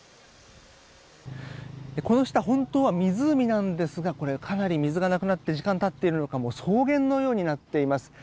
この下本当は湖なんですがかなり水がなくなって時間が経っているのか草原のようになっています。